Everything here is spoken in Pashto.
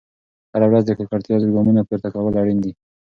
هره ورځ د ککړتیا ضد ګامونه پورته کول اړین دي.